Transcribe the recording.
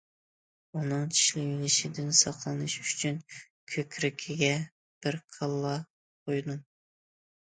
ئۇنىڭ چىشلىۋېلىشىدىن ساقلىنىش ئۈچۈن كۆكرىكىگە بىر كاللا قويدۇم.